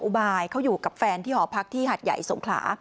อุบายเขาอยู่กับแฟนที่หอพักที่หัดใหญ่สงขลา